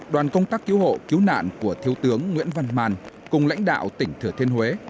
đoàn công tác cứu hộ cứu nạn của thiếu tướng nguyễn văn màn cùng lãnh đạo tỉnh thừa thiên huế